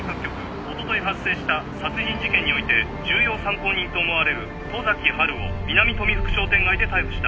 おととい発生した殺人事件において重要参考人と思われる十崎波琉を南富福商店街で逮捕した。